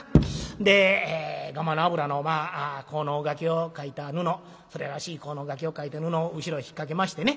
でがまの油の効能書きを書いた布それらしい効能書きを書いた布を後ろへ引っ掛けましてね